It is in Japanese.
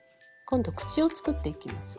今度口を作っていきます。